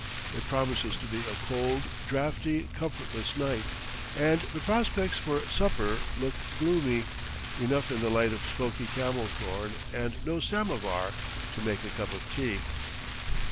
It promises to be a cold, draughty, comfortless night, and the prospects for supper look gloomy enough in the light of smoky camel thorn and no samovar to make a cup of tea.